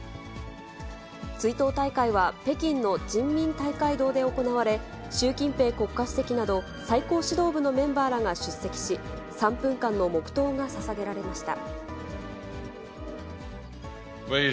追悼大会は、北京の人民大会堂で行われ、習近平国家主席など、最高指導部のメンバーらが出席し、３分間の黙とうがささげられました。